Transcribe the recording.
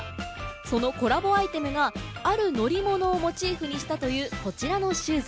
そのコラボアイテムがある乗り物をモチーフにしたというこちらのシューズ。